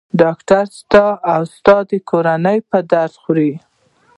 ډاکټر ستا او ستا د کورنۍ په درد خوري.